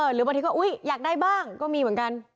หรือบางทีก็อุ๊ยอยากได้บ้างก็มีเหมือนกัน